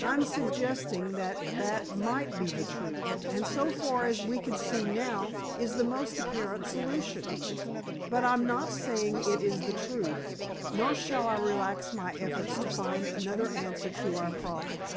"I'm suggesting that that might be the truth, and so far as we can see now, is the most apparent solution. But I'm not saying it is the truth, nor shall I relax my efforts to find another answer to our problem.